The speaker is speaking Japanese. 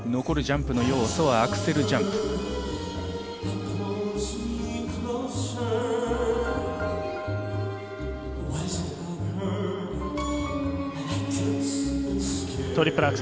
残るジャンプの要素はアクセルジャンプ。